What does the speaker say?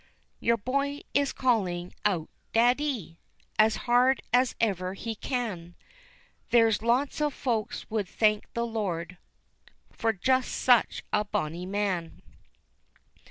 Your boy is calling out, "Daddy!" As hard as ever he can, There's lots of folks would thank the Lord For just such a bonnie man.